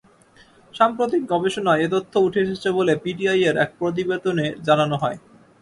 সাম্প্রতিক গবেষণায় এ তথ্য উঠে এসেছে বলে পিটিআইয়ের এক প্রতিবেদনে জানানো হয়।